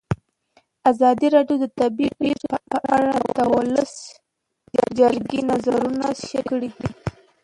ازادي راډیو د طبیعي پېښې په اړه د ولسي جرګې نظرونه شریک کړي.